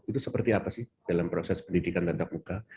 itu seperti apa sih dalam proses pendidikan tatap muka